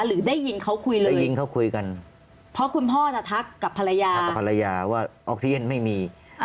หรือได้ยินเขาคุยเลยหรือยิงเขาคุยกันเพราะคุณพ่อน่ะทักกับภรรยาทักกับภรรยาว่าออกซีเย็นไม่มี